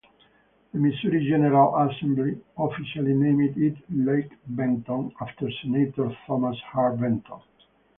The Missouri General Assembly officially named it Lake Benton after Senator Thomas Hart Benton.